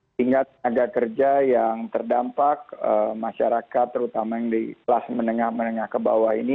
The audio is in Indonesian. sehingga tenaga kerja yang terdampak masyarakat terutama yang di kelas menengah menengah ke bawah ini